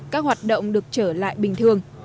các hoạt động được trở lại bình thường